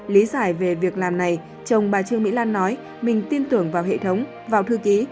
lý giải về việc làm này chồng bà trương mỹ lan nói mình tin tưởng vào hệ thống vào thư ký